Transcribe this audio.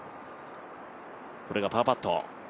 これがパーパット。